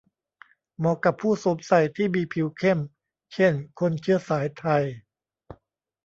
เหมาะกับผู้สวมใส่ที่มีผิวเข้ม เช่น คนเชื้อสายไทย